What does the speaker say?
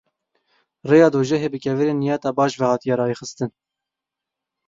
Rêya dojehê bi kevirên niyeta baş ve hatiye raxistin.